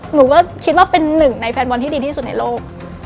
หนูก็คิดว่าเป็นหนึ่งในแฟนบอลที่ดีที่สุดในโลก